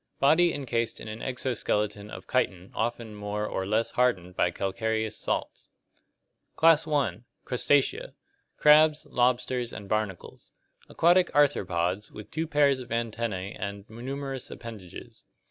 Body encased in an exo skeleton of chitin often more or less hardened by calcareous salts. Class I. Crustacea (Lat. crusla, shell). Crabs, lobsters, and barnacles. Aquatic arthropods, with two pairs of antennae and numerous appendages.